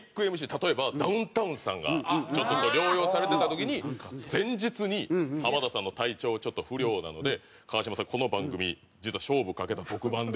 例えばダウンタウンさんがちょっと療養されてた時に前日に「浜田さんの体調ちょっと不良なので川島さんこの番組実は勝負かけた特番で」。